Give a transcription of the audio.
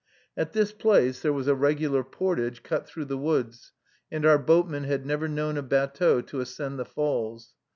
At this place there was a regular portage cut through the woods, and our boatmen had never known a batteau to ascend the falls.